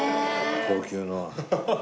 高級な。